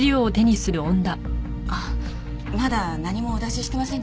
あっまだ何もお出ししてませんでしたね。